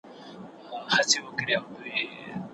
سیاست په تېر کي د ټولو ګډ کار نه وو.